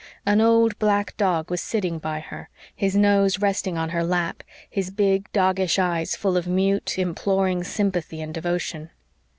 An old black dog was sitting by her, his nose resting on his lap, his big doggish eyes full of mute, imploring sympathy and devotion.